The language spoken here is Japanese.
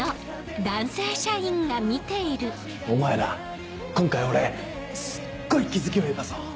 お前ら今回俺すっごい気付きを得たぞ！